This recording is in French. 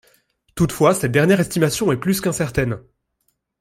Toutefois, cette dernière estimation est plus qu'incertaine.